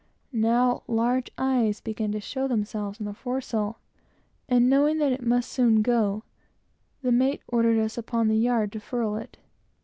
Now large eyes began to show themselves in the foresail, and knowing that it must soon go, the mate ordered us upon the yard to furl it.